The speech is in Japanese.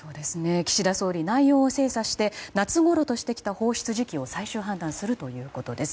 岸田総理、内容を精査して夏ごろとしてきた放出時期を最終判断するということです。